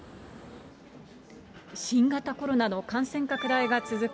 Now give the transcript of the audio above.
新型コロナの感染拡大が続く